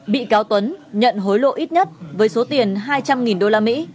bị cáo tuấn nhận hối lộ ít nhất với số tiền hai trăm linh đô la mỹ